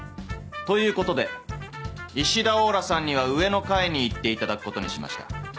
ということで石田王羅さんには上の階に行っていただくことにしました。